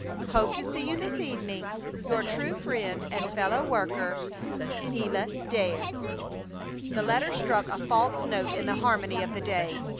Hoping to see you this evening, Your true friend and fellow worker, GILA DARE. The letter struck a false note in the harmony of the day.